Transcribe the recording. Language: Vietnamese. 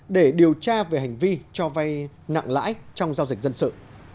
để điều tra về hành vi cho vay nặng lãi trong giao dịch dân sự